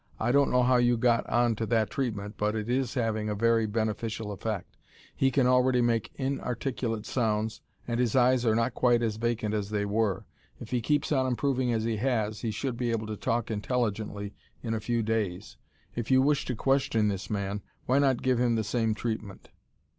I don't know how you got on to that treatment, but it is having a very beneficial effect. He can already make inarticulate sounds, and his eyes are not quite as vacant at they were. If he keeps on improving as he has, he should be able to talk intelligently in a few days. If you wish to question this man, why not give him the same treatment?"